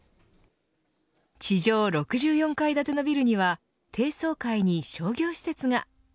地上６４階建てのビルには低層階に商業施設が。